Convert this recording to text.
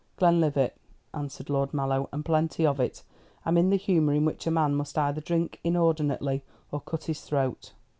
"Glenlivat," answered Lord Mallow, "and plenty of it. I'm in the humour in which a man must either drink inordinately or cut his throat."